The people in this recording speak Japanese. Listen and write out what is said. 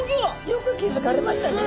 よく気付かれましたね。